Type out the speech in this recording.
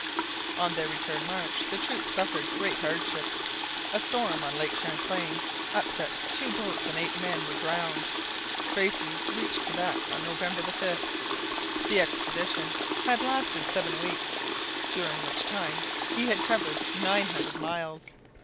On their return march the troops suffered great hardships. A storm on Lake Champlain upset two boats and eight men were drowned. Tracy reached Quebec on November 5. The expedition had lasted seven weeks, during which time he had covered nine hundred miles.